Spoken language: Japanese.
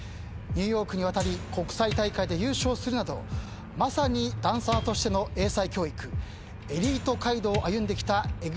ニューヨークに渡り国際大会で優勝するなどまさにダンサーとしての英才教育エリート街道を歩んできたＥＸＩＬＥ